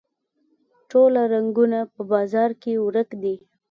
ټوله رنګونه په بازار کې ورک دي